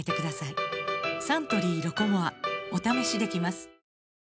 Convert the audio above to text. サントリー「ロコモア」お試しできます